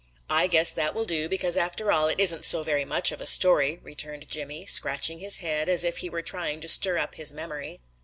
"I guess that will do, because after all it isn't so very much of a story," returned Jimmy, scratching his head as if he were trying to stir up his memory.